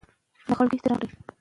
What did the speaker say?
که مشره وي نو کشران نه جګړه کوي.